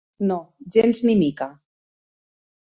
No, gens ni mica.